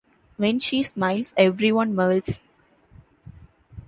When she smiles, everyone melts.